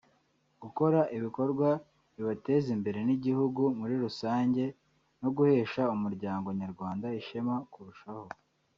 gukora ibikorwa bibateza imbere n’igihugu muri rusange no guhesha umuryango Nyarwanda ishema kurushaho